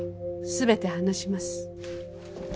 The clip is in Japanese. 全て話します。